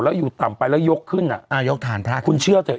แล้วอยู่ต่ำไปแล้วยกขึ้นอ่ะอ่ายกฐานพระคุณเชื่อเถอะ